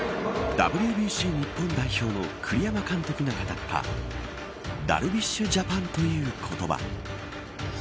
ＷＢＣ日本代表の栗山監督が語ったダルビッシュジャパンという言葉。